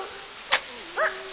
・あっ。